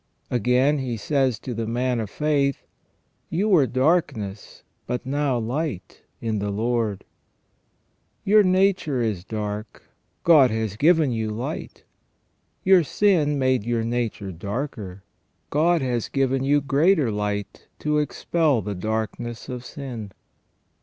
" Again, he says to the man of faith :" You were darkness, but now light in the Lord ". Your nature is dark ; God has given you light. Your sin made your nature darker ; God has given you greater light to expel the darkness of sin.